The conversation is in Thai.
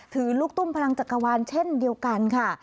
ลูกตุ้มพลังจักรวาลเช่นเดียวกันค่ะ